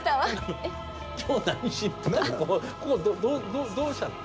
どうしたの？